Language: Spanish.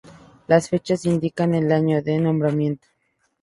Las fechas indican el año de nombramiento.